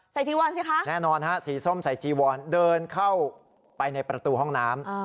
จีวอนสิคะแน่นอนฮะสีส้มใส่จีวอนเดินเข้าไปในประตูห้องน้ำ